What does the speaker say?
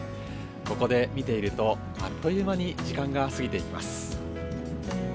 ここで見ているとあっという間に時間が過ぎていきます。